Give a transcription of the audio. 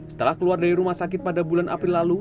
setelah keluar dari rumah sakit pada bulan april lalu